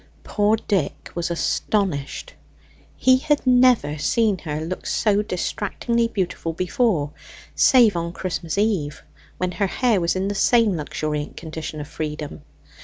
Poor Dick was astonished: he had never seen her look so distractingly beautiful before, save on Christmas eve, when her hair was in the same luxuriant condition of freedom.